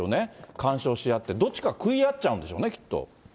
干渉し合って、どっちが食い合っちゃうんですね、きっと。